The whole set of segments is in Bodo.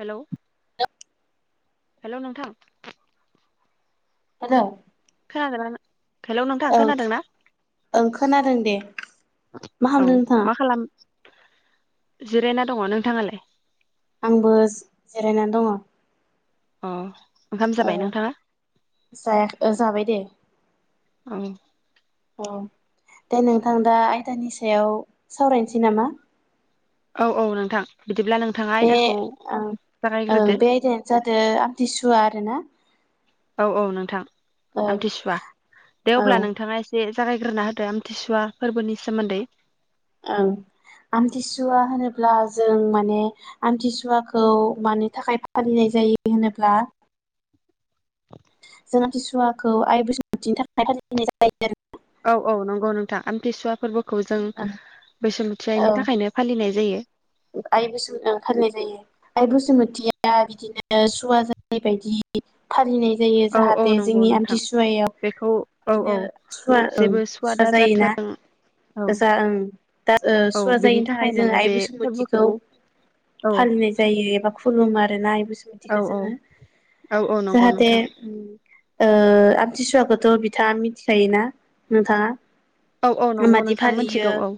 हेलौ हेलौ नोंथां। आदा खोनादों ना नों ओं ओं खोनादों दे मा औ खामदों नोंथाङा? मा खालाम जिरायना दङ नोंथाङालाय। आंबो जिरायनानै दङ। अ ओंखाम औ जाबाय नोंथाङा जाया ओ जाबाय दे। औ औ दे नोंथां दा आयदानि सायाव सावरायनोसै नामा? औ औ नोंथां। बिदिब्ला नोंथाङा बे आयदाखौ ओ जागायग्रोदो बे आयदायानो जादों आमथिसुवा आरोना। औ औ नोंथां ओं हामथिसुवा दे औ अब्ला नोंथाङा एसे। बे जागायग्रोना होदो आमथिसुवा फोरबोनि सोमोन्दै। ओं आमथिसुवा होनोब्ला जों माने आमथिसुवाखौ मानि थाखाय फालिनाय जायो होनोब्ला जोंहाथिसुवाखौ आइ बैसुमथिनि थाखाय फालिनाय जायो औ औ नंगौ नोंथां आमथिसुवा फोरबोखौ जों आरो बैसुमुथि आयनि औ थाखायनो फालिनाय जायो आइ बैसुमुथि फालिनाय जायो आइ बैसुमथिया बिदिनो सुवा जानाय बायदि फालिनाय जायो औ औ जाहाथे नंगौ जोंनि नोंथां आमथिसुवायाव बेखौ औ बिनो औ सुवा ओं जेबो सुवा जायोना दाजाथों औ जा ओं दा ओ औ सुवा बिनि जायिनि थाखाय जो माने आइ बे बैसोमु खौ फोरबोखौ औ फालिनाय जायो एबा खुलुमो आरोना एबुस औ खौथिखौ औ जोङो औ औ नंगौ जाहाथे नोंथां ओ आमथिसुवाखौथ' बिथाङा मिथिखायोना नोंथांङा औ औ नंगौ नोंथां मोनथिगौ औ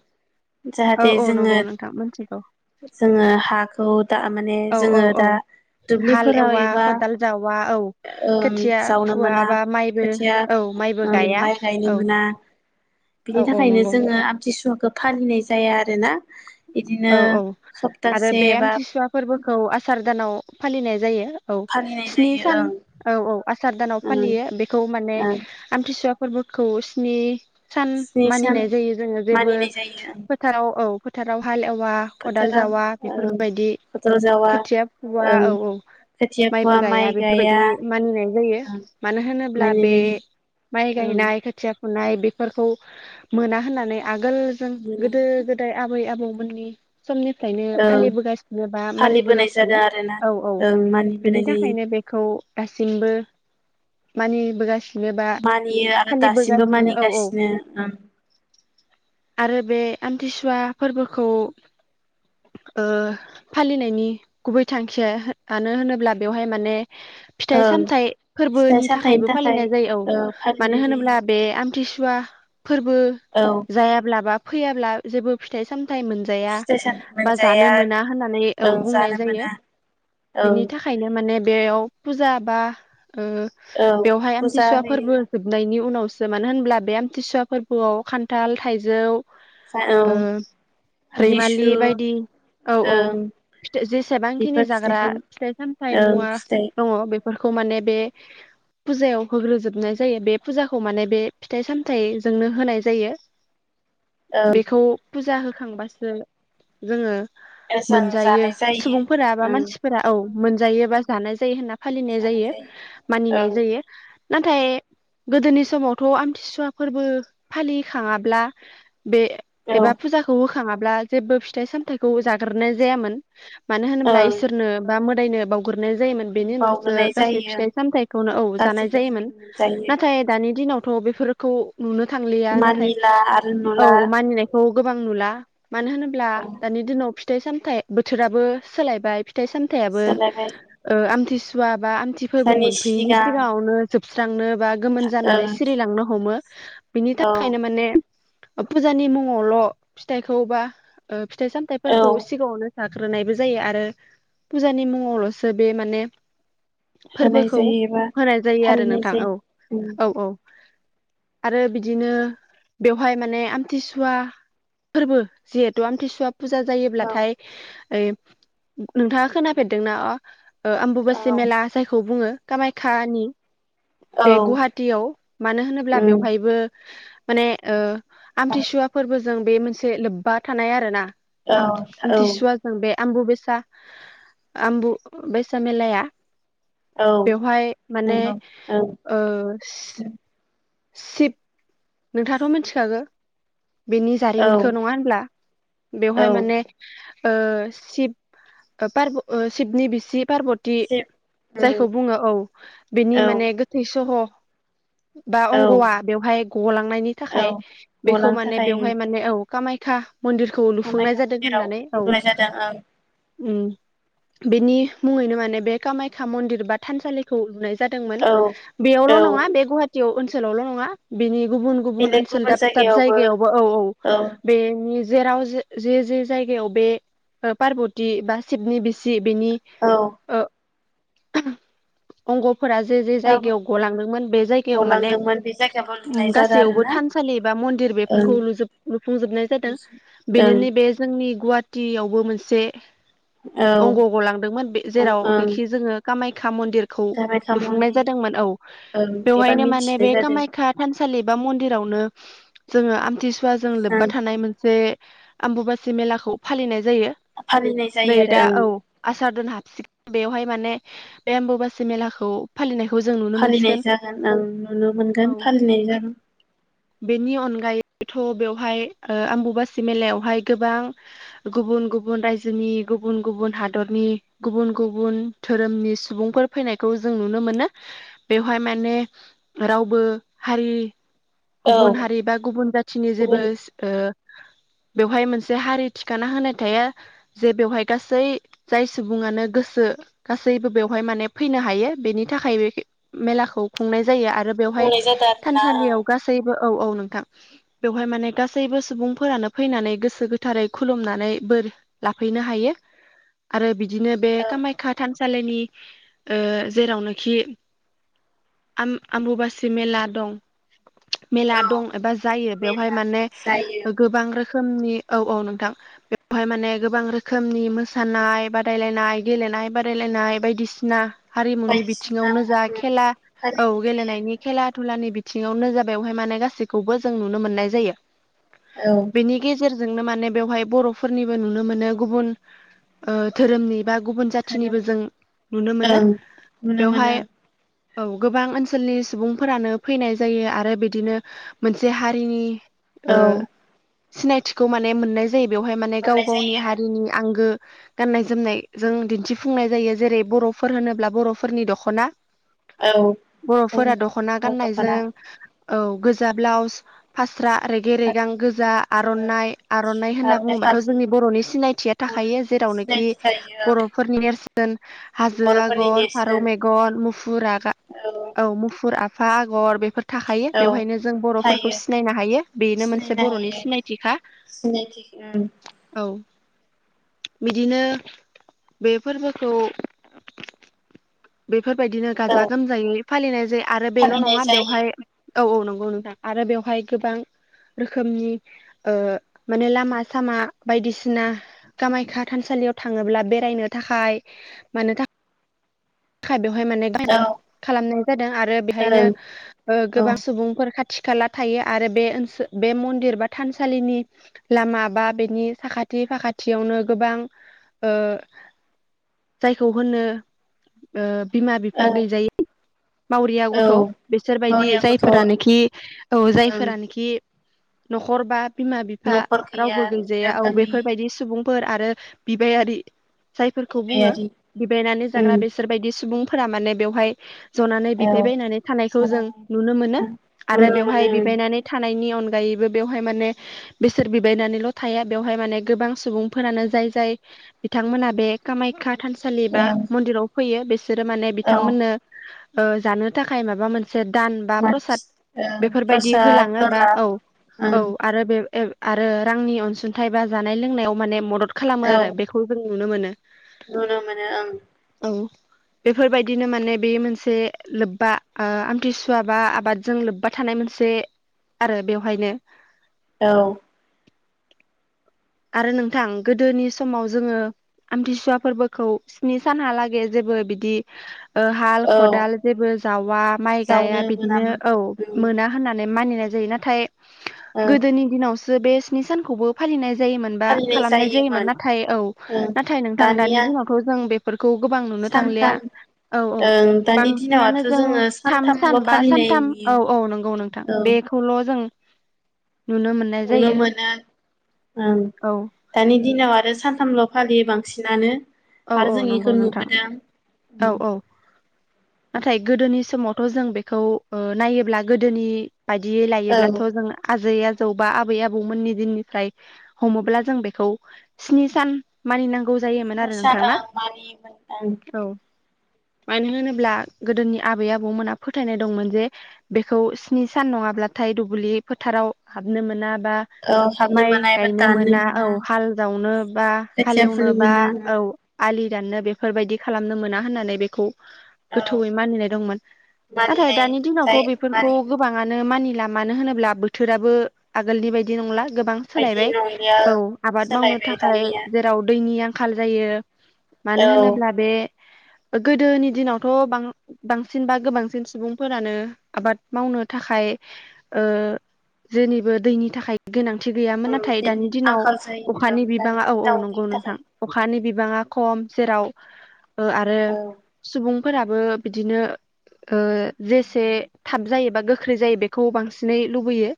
औ जाहाथे औ जोङो नंगौ नोंथां मिथिगौ। जोङो हाखौ दा माने औ औ जोङो औ दा हाल दुब्लिफोराव एवा एबा खदाल जावा औ ओं खोथिया जावनो फुवा मोना बा माइबो खोथिया औ माइबो ओं गाया माइ गायनो औ मोना बिनि औ औ थाखायनो नंगौ जोङो नोंथां आमथिसुवा खौ फालिनाय जाया आरोना बिदिनो औ औ आरो सप्तासे बे एबा आमथिसुवा फोरबोखौ आसार दानाव फालिनाय जायो। औ फालिनाय स्नि जायो सान ओं औ औ आसार दानाव ओं फालियो बेखौ माने ओं आमथिसुवा फोरबोखौ स्नि सान स्नि सान मानिनाय जायो जोङो जेबो मानिनाय जायो ओं फोथाराव औ फोथाराव हालौ बा खदाल फोथाराव जावा ओं बेफोरबायदि फोथाराव जावा खोथिया फुवा ओं औ औ खोथिया फुवा माइबो गाया माइ बेफोरबायदि मानिनाय जायो ओं मानो होनोब्ला मानिनाय बे जायो माइ ओं गायनाय खोथिया हुनाय बेफोरखौ मोना होननानै आगोल जों मोना गोदो गोदाय आबै आबौ उनि समनिफ्रायनो ओं फालिबोगासिनो बा फालिबोनाय जादों मानिबोगासिनो आरोना औ औ ओं बेनि मानिबोनाय जायो थाखायनो बेखौ दाससिमबो मानिबोगासि मानियो आरो दासिमबो औ औ मानिगासिनो ओं आरो बे आमथिसुवा फोरबोखौ खौ ओ फालिनायनि गुबै थांखिया मानो होनोब्ला बेवहाय माने फिथाइ ओं सामथायाइ फिथाइ फोरबोनि सामथाइनि थाखायबो थाखाय फालिनाय जायो ओ औ मानो फालिनाय जायो होनोब्ला बे आमथिसु बा फोरबो औ जायाब्लाबा फैयाब्ला जेबो फिथाइ साम फिथाइ मोनजाया फिथाइ सामथाइ बा जानो मोनजाया मोना होननानै औ ओं बुंनाय जानो जायो मोना ओं बिनि थाखायनो माने बेयाव फुजा बा ओ औ बेवहाय फुजा आमथिसुवा फोरबो होयो जोबनायनि उनाव मानो होनब्ला बे आमथिसुवा फोरबोआव खान्थाल थाइजौ ओ [unintelligible] रैमालि लिसु बायदि औ औ ओं फिथाय जेसेबांखिनि बेफोर जाग्रा फिथाइखौ फिथाइ सामथाय ओं मुवा फिथाइ दङ बे फोरखौ माने बे फुजायाव होग्रोजोबनाय जायो बे फुजाखौ माने बे फिथाइ सामथाइजोंनो होनाय जायो। ओं बेखौ फुजा हो होखांबासो जोङो। जों मोनजायो जानाय जायो सुबुंफोरा बा ओं मानसिफोरा औ। मोनजायोबा जानाय जायो होनना। फालिनाय जायो मानिनाय ओं जायो। नाथाय गोदोनि समावथ' आमथिसुवा फोरबो फालिखाङाब्ला। बे औ एबा फुजा बोखाङाब्ला जेबो फिथाइ सामथायखौ जाग्रोनाय जायामोन। मानो होनोब्ला ओं इसोरनो बा दायनो। गुरनाय जायोमोन बेनि उनावसो बावग्रोनाय गासै जायो फिथाइ सामथायखौनो औ जानाय गासैखौ जों जायोमोन मोनजायो नाथाय दानि दिनाव। थ' बेफोरखौ नुनो थांलिया नाथाय मानिला आरो नुला औ मानिनायखौ। गोबां नुला। मानो होनोब्ला ओं दानि दिनाव थाइ सामथाइ बोथोराबो सोलायबाय। थाइ सामथायाबो सोलायबाय ओ आम बिसआ। एबा आमथि फोरबो जोंनि मोनफैयैनि सिगां सिगाङावनो जोबस्रांनो। बा गोमोन जानानै ओं सिरिलांनो हमो। बिनि औ थाखायनो माने। फुजानि मुङावल' फिथाइखौ बा ओ फिथाइ औ सामथथायफोरखौ सिगाङावनो। जाग्रोनायबो जायो आरो फुजानि मुङावल'सो बे माने। होनाय फोरबोखौ जायो एबा होनाय जायो आरो फालिनाय नोंथां औ जायो उम औ औ। आरो बिदिनो बेवहाय माने आमथिसुवा। फोरबो जिहेतु आमथिसुवा। फुजा औ जायोब्लाथाय। ओइ नोंथाङा खोनाफेरदोंना? ओ आमबुुबासि औ मेला जायखौ बुंङो। कामायखानि बे गुवाहाटियाव मानो होनोब्ला उम बेवहायबो माने ओ। औ आमथिसुवा फोरबो जों बे मोनसे से लोब्बा थानाय आरो ना औ आम-आमथिसुवा जों बे - आमबु बेसा आमबु बेसा मेलाया औ बेवहाय माने नंगौ औ ओ सिप नोंथाङाथ' मिथिखागो? बेनि औ जारिमिनखौ नङा होनब्ला? औ बेवहाय माने ओ शिब ओ पारब' ओ शिबनि बिसि पार्वति सिब उम जायखौ बुङो औ बिनि औ माने गोथै सह' बा औ अंग'आ बेवहाय गलांनायनि औ थाखाय बेखो गलांनो माने थाखाय बेवहाय माने औ कामायखा मन्दिरखौ लुफुंनाय कामाख्या जादों मन्दिराव होननानै औ। होनाय जादों उ बेनि मुङैनो माने बे कामाख्या मन्दिर बा थानसालिखौ लुनाय जादोंमोन ओं बेयावल' औ नङा बे गुवाहा तिआव ओनसोलावल नङा बिनि गुबुन गुबुन ओनसोल दाब दाब जायगायावबो औ औ बेनि जेराव जे-जे जे जायगायाव बे ओ पार्बति बा शिबनि बिसि सि बेनि औ ओ अंग' फोरा जे जे जायगायाव गलांदोंमोन बे जायगायाव माने गलांदोंमोन बे जायगायावबो लुनाय उम जादों आरो गासैयावबो ना थानसालि बा मन्दिर ओं बेफोरखौ लुजुब लुफुंजोबनाय जादों बेनि ओं नि बे जों जोंनि गुवाहाटि यावबो मोनसे अंग' गलांदोंमोन बे औ ओं जेरावनोखि जोङो खामाय खा मन्दिरखौ कामाख्या लुफुंनाय मन्दिर जादोंमोन औ ओं एबा बेवहायनो माने मिथिनाय बे जादों कामाख्या सालि बा मन्दिरावनो जोंङो आमथि बुवाजों लोब्बा ओं थानाय मोनसे आम्बुुबासि मेलाखौ फालिनाय जायो फालिनाय जायो नै आरो दा ओं औ आसार दान हाबसिगो बेवहाय माने बे आम्बुुबासि मेलाखौ फालिनाय फालिनाय जागोन ओं नुनो औ मोनगोन फालि [unintelligible] जागोन बेनि अनगायैथ बेवहाय ओ आम्बुुबासि मेलायावहाय गोबां गुबुन गुबुन रायजोनि गुबुन गुबुन हादरनि गुबुन गुबुन धोरोमनि सुबुंफोर फैनायखौ जों नुनो मोनो बेवहाय माने रावबो हारि औ गुबुन हारि बा गुबुन जाथिनि जेबो गुबुन ओ बेवहाय मोनसे हारि थिखाना होनाय थाया जे बेवहाय गासै जाय सुबुंङानो गोसो गासैबो बेवहाय माने फैनो हायो बेनि थाखाय बे मेलाखौ खुंनाय जायो आरो बेवहाय नाय जादों आरो ना थानसालियाव ओं। गासैबो औ औ नोंथां बेवहाय माने गासैबो सुबुंफोरानो फैनानै गोसो गोथारै खुलुमनानै बोर लाफैनो हायो आरो बि बिदिनो बे ओं कामाख्या थानसा [unintelligible] ओ जेरावनोखि आम अम्बुबासि सिमेला दं मेला औ औ दं एबा जायो बेवहाय मेला माने जायो गोबां रोखोमनि औ औ नोंथां बेवहाय माने गोबां रोखोमनि मोसानाय बादायलायनाय गेलेनाय बादायलायनाय बायदिसिना हारिमुनि बायदिसिना बिथिङावनो जा ओं खेला औ फालिनाय जायो गेलेनायनि खुलानि बिथिङावनो जाबाय बेवहाय माने गासैखौबो जों नुनो मोननाय जायो। आरो औ बेनि गेजेर जोंनो माने बेहाय बर'फोरनिबो नुनो गुबुन ओ धोरोमनि बा गुबुन जाथिनिबो धोरोमनि जों नुनो मोनो ओं नुनो मोनो बेवहाय औ गोबां ओनसोलनि सुबुं फोरानो फैनाय जायो आरो बिदिनो मोनसे हारिनि औ ओ सिनायथिखौ माने मोननाय जायो बेवहाय माने गाव मोननाय गावनि जायो हारिनि आंगो गाननाय जोमनाय जों दिन्थिफुंनाय जायो जेरै बर'फोर होनोब्ला बर'फोरनि दखना। औ बर'फोरा जों दख'ना गाननायजों औ गोजा ब्लाउस फास ज्रा रेगे रेगां फालि गोजा आर'नाइ आर'नाइ होनना बुङोबाथ' जोंनि बर'नि सिनायथिया थाखायो बर'नि जेरावनोखि सिनायथि थायो ओं बर'फोरनि नेरसोन हाजो बर'फोरनि आगर, फारौ नेरसोन मेगन, मुफुर आगा, औ मुफुर आग हा आगर फोर थाखायो औ बेवहायनो जों बर'फोरखौ थायो सिनायनो हायो बेनो मोनसे सिनायनो बर'नि हायो सिनायथिखा सिनायथि ओं औ बिदिनो बे फोरबोखौ बेफोरबायदिनो गाजा औ गोमजायै फालिनाय जायो आरो बेल' फालिनाय नङा जायो बेवहाय औ औ नंगौ नोंथां आरो बेवहाय गोबां रोखोमनि ओ माने लामा सामा बायदिसिना कामाख्या थानसालियाव थाङोब्ला बेरायनो थाखाय मानो थाख [unintelligible] बेवहाय माने औ [unintelligible] खालामनाय जादों आरो बेहायनो ओं ओ औ गोबां सुबुंफोर खा खाथि खाला थायो आरो बे ओनसो बे मन्दिर बा थानसालिनि लामा बा बेनि साखाथि फाखाथियावनो गोबां ओ जायखौ होनो ओ बिमा बिफा ओ गैजायै मावरिया गथ' औ बिसोरबायदि मावरिया गथ' जायफोरानोखि ओं औ जायफोरानोखि नख'र बाद बिमा बिफा न'खर गैया रावबो गैजाया बिमा बिफा औ गैयि बेफोरबायदि सुबुं फोर आरो बिबायारि जायफोरखौ बुङो बिबायारि बिबायनानै जाग्रा उम बे बेबायदि सुबुंफोरा माने बेवहाय जनानै औ बिबायबायनानै थानायखौ जों नुनो मोनो आरो नुनो बेवहाय मोनो बिबायनानै थानायनि अन अनगायैबो बेवहाय माने बेसोर बिबायनानैल' थाया बेवहाय माने गोबां सुबुंफोरानो जाय जाय बिथांमोना बे कामायखा थानसालि बा ओं मन्दिराव फैयो बिसोरो माने औ बिथांमोननो ओ जानो थाखाय माबा मोन से दान बा प्रसाद मानसि ओं बेफोरबायदि प्रसादफोर होलाङोबा ला औ ओं औ आरो बे आरो रांनि अनसुंथाइ बा जानाय लोंनायाव माने मदद खालामो औ आरो बेखौ जों नुनो मोनो नुनो मोनो ओं औ बेफोरबायदिनो माने बे मोनसे लोब्बा ओ आमथिसुवा बा आबादजों लोब्बा थानाय मोनसे आरो बेवहायनो औ आरो नोंथां गोदोनि समाव जोङो आमथिसुवा फोरबोखौ स्नि सानहालागै जेबो बिदि ओ हाल औ औ खदाल जेबो जावा माइ जावनो गाया बिदिनो मोनामोन औ ओं मोना होनना मानिनाय जायो नाथाय ओं गोदोनि दिनावसो ओ बे स्नि सानखौबो फालिनाय जायोमोनबा खालामनाय जायोमोन नाथाय औ ओं नाथाय नोंथां दानि दानिया दिनावथ जों बे खौ गोबां नुनो थांलिया सानथाम औ औ ओं दानि बांसिनानो दिनावथ' जों जोङो थाम सान सानथामल' बा फालिनाय सानथाम नुयो औ औ नंगौ नोंथां औ बेखौल जों नुनो मोननाय नुनो जायो। मोनो ओं औ दानि दिनाव आरो सानथामल' फालियो बांसिनानो। औ आरो औ जों नंगौ इखौ नोंथां नुबोदों उम। थाय गोदोनि समावथ जों बेखौ ओ नायोब्ला गोदोनि बायदि औ लायोब्लाथ जों आ आजै आजौ बा आबै आबौमोननि दिननिफ्राय हमोब्ला जों बेखौ स्नि सान मानिनांगौ गौ जायोन स्नि आरो नों सान थांना ओं मानियोमोन ओं औ। मानो होनोब्ला गोदोनि आबै आबौमोना फोथायनाय दंमोन जे बेखौ स्नि सान नङाब्लाथाय दुब्लि फोथाराव हाबनो मोना। बा औ हाबनो माइ मोना एबा गायनो दाननो मोना औ हाल जावनो बा खोथिया फुनो हालेवनोबा मोना औ। ओं आलि दाननो बेफोरबायदि खालामनो मोना होननानै बेखौ औ गोथौयै मानिनाय दंमोन नाथाय मानिनाय दानि दिनावथ जाय बेफोरखौ मानि गोबाङानो मानि ब्ला मानो होनोब्ला बोथोराबो आगोलनि बायदि नंला। गोबां बायदि सोलायबाय नंलिया ओं औ आबाद मावनो सोलायबाय थाखाय दानिया जेराव दैनि आं खाल जायो। मानो औ होनोब्ला बे गोदोनि दिनावथ बां बांसिन बा गोबांसिन सुबुंफोरानो आबाद मावनो थाखाय ओ जेनिबो दैनि थाखाय गोनां थिगैयामोन औ नाथाय दानि दैनि दिनाव आंखाल जायो अखानि दानि बिबाङा औ औ दिनाव दैनि नंगौ नोंथां थाखाय अखानि बि बांआ खम जेराव ओ आरो औ सुबुं फोराबो बिदिनो ओ जेसे थाब जायो बा गोख्रोय जायो बेखौ बांसिनै लुबैयो।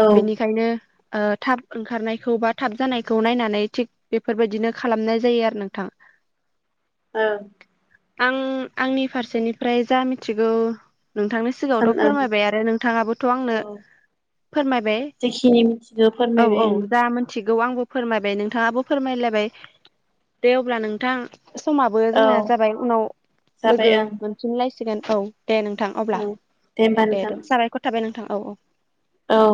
औ बेनिखायनो ओ थाब ओंखारनायखौ बा थाब जानायखौ नायनानै थिग बेफोरबायदिनो खालामनाय जायो आ नोंथां। औ। आं आंनि फारसेनिफ्राय जा मिथिगौ नोंथांनि सिगाङावथ ओं फोरमायबाय आरो नोंथाङाबोथ' आंनो औ फोरमायबाय जेखिनि मिथिगौ औ फोरमायबाय औ ओं जा मोनथि खौ आंबो फोरमायबाय नोंथाङाबो फोरमायलायबाय। दे अब्ला नोंथां समाबो औ जोंना जाबाय उनाव जाबाय लोगो ओं मोनफिनलायसि सिगोन औ। दे नोंथां अब्ला औ होमबा दे नोंथां दे साबायखर थाबाय नों औ - औ औ